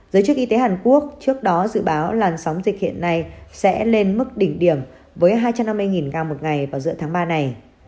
giới chức y tế hàn quốc trước đó dự báo làn sóng dịch hiện nay sẽ lên mức đỉnh điểm với hai trăm năm mươi gram một ngày vào giữa tháng ba này